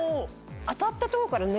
当たったとこからね